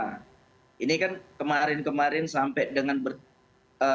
nah ini kan kemarin kemarin sampai dengan ber